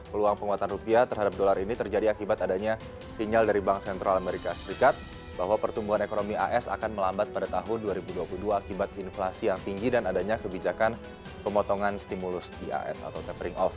peluang penguatan rupiah terhadap dolar ini terjadi akibat adanya sinyal dari bank sentral amerika serikat bahwa pertumbuhan ekonomi as akan melambat pada tahun dua ribu dua puluh dua akibat inflasi yang tinggi dan adanya kebijakan pemotongan stimulus di as atau tapering off